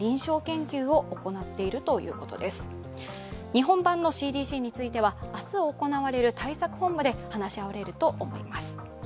日本版のＣＤＣについては明日行われる対策本部で話し合われると思います。